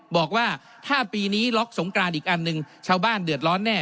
บอกว่าถ้าปีนี้ล็อกสงกรานอีกอันหนึ่งชาวบ้านเดือดร้อนแน่